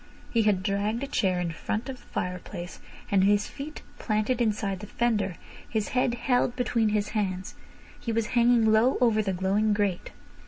He had dragged a chair in front of the fireplace, and his feet planted inside the fender, his head held between his hands, he was hanging low over the glowing grate.